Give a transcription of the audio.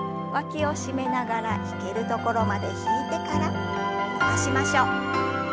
わきを締めながら引けるところまで引いてから伸ばしましょう。